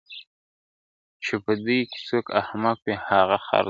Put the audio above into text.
چی په دوی کی څوک احمق وي هغه خر دی ..